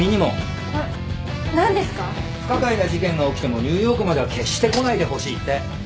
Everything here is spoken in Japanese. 「不可解な事件が起きてもニューヨークまでは決して来ないでほしい」って。